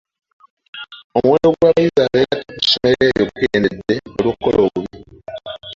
Omuwendo gw'abayizi abeegatta ku ssomero eryo gukendedde olw'okukola obubi.